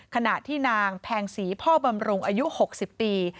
ขณะที่นางแพงศรีพ่อบำรุงอายุ๖๐ปี